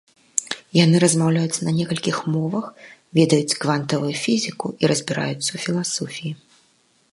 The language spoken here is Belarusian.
Яны размаўляюць на некалькіх мовах, ведаюць квантавую фізіку і разбіраюцца ў філасофіі.